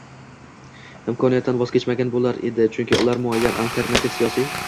imkoniyatdan, voz kechmagan bo‘lar edi, chunki ular muayyan alternativ siyosiy